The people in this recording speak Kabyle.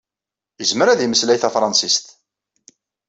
Izmer ad imeslay tafṛansist.